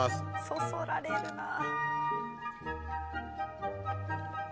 そそられるな。